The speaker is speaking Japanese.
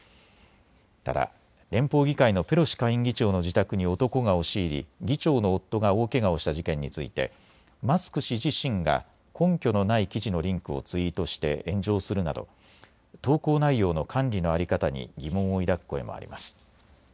ただ連邦議会のペロシ下院議長の自宅に男が押し入り議長の夫が大けがをした事件についてマスク氏自身が根拠のない記事のリンクをツイートして炎上するなど投稿内容の管理の在り方に疑問を抱く声もあります。